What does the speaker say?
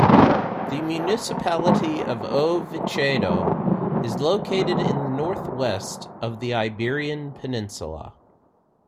The municipality of O Vicedo is located in the northwest of the Iberian Peninsula.